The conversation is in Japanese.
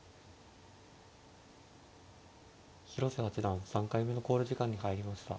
広瀬八段３回目の考慮時間に入りました。